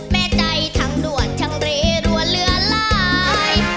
แม่ใจทั้งด่วนทั้งเรรัวเหลือหลาย